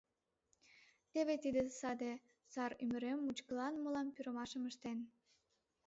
Теве тыге саде сар ӱмырем мучкылан мылам пӱрымашым ыштен...